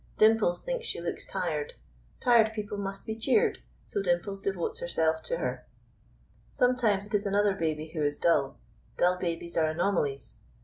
Dimples thinks she looks tired. Tired people must be cheered, so Dimples devotes herself to her. Sometimes it is another baby who is dull. Dull babies are anomalies.